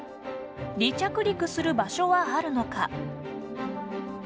離着陸する場所はあるのか。